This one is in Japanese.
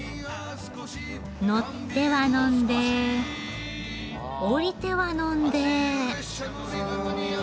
乗っては呑んで降りては呑んで。